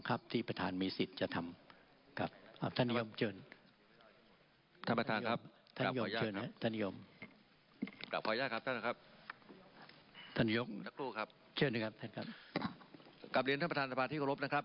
กับเดิมท่านประทานสภาที่โคลปนะครับ